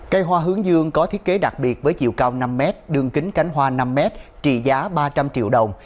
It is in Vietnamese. cây hoa hướng dương có thiết kế đặc biệt với chiều cao năm m đường kính cánh hoa năm m trị giá ba trăm linh triệu đồng